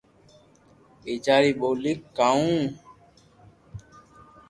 ٻآجا ري ٻولي ڪاو